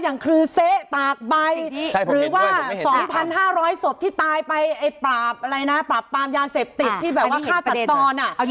อย่างคือเซ๊ตากใบหรือว่า๒๕๐๐ศพที่ตายไปไอ้ปราบอะไรนะปราบปรามยาเสพติดที่แบบว่าฆ่าตัดตอน